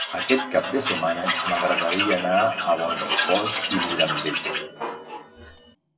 Aquest cap de setmana m'agradaria anar a Bonrepòs i Mirambell.